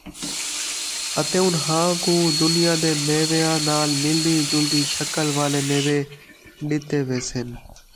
اَتے انھاں کُوں دنیا دے میویاں نال مِلدی جُلدی شکل والے میوے ݙِتے ویسن،